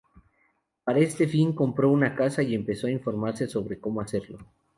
Para este fin compró una casa y empezó a informarse sobre cómo hacerlo.